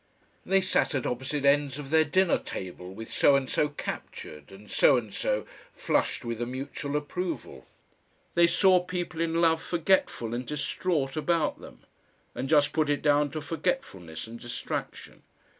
They sat at opposite ends of their dinner table with so and so "captured," and so and so, flushed with a mutual approval. They saw people in love forgetful and distraught about them, and just put it down to forgetfulness and distraction.